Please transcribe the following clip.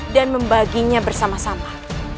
dan membaginya bersama sama